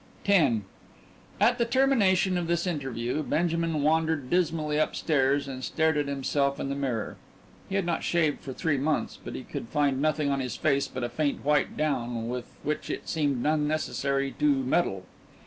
X At the termination of this interview, Benjamin wandered dismally upstairs and stared at himself in the mirror. He had not shaved for three months, but he could find nothing on his face but a faint white down with which it seemed unnecessary to meddle.